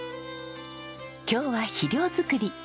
今日は肥料作り。